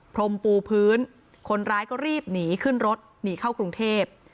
พรมปูพื้นคนร้ายก็รีบหนีขึ้นรถหนีเข้ากรุงเทพ